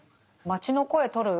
街の声とる